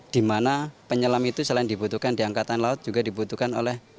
di mana penyelam itu selain dibutuhkan di angkatan laut juga dibutuhkan oleh